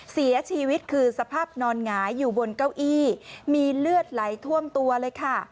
เสียชีวิตคือสภาพนอนหงายอยู่บนเก้าอี้มีเลือดไหลท่วมตัวเลยค่ะ